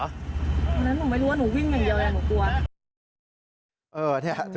ตอนนั้นหนูไม่รู้ว่าหนูวิ่งอย่างเดียวเลยหนูกลัว